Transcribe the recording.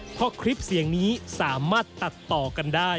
เพราะคลิปเสียงนี้สามารถตัดต่อกันได้